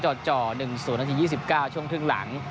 ๓จอดจ่อ๑ส่วนนาที๒๙ช่วงถึงหลัง